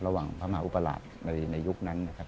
ระหว่างพระมหาอุปราชในยุคนั้นนะครับ